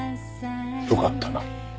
よかったな。